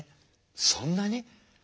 そんなに？